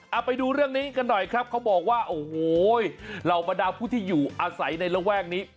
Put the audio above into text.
เอาไปดูเรื่องนี้กันหน่อยครับเขาบอกว่าโอ้โหเหล่าบรรดาผู้ที่อยู่อาศัยในระแวกนี้